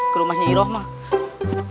ke rumahnya iroh mak